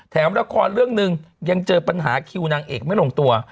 ละครเรื่องหนึ่งยังเจอปัญหาคิวนางเอกไม่ลงตัว